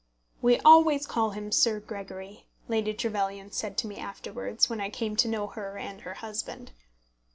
"We always call him Sir Gregory," Lady Trevelyan said to me afterwards, when I came to know her and her husband.